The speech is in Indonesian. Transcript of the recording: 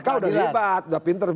kpk udah lebat udah pinter